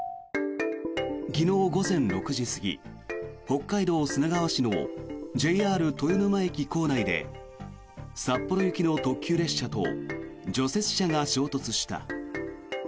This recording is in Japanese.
昨日午前６時過ぎ北海道砂川市のＪＲ豊沼駅構内で札幌行きの特急列車と除雪車が衝突した。